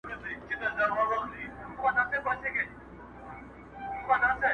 خلک غوټۍ ته روڼي شپې کړي!.